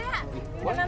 pem slower lagi